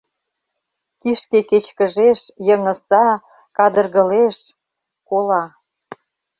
Кишке кечкыжеш... йыҥыса... кадыргылеш... кола...